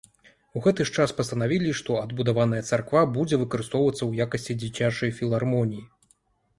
У гэты ж час пастанавілі, што адбудаваная царква будзе выкарыстоўвацца ў якасці дзіцячай філармоніі.